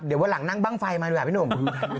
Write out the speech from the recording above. เดี๋ยวว่างนอกนั่งบ้ั้งไฟมาดูแบบนี่อะพี่หนุ่ม